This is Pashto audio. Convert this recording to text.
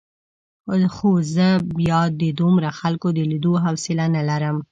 خو زه بیا د دومره خلکو د لیدو حوصله نه لرم.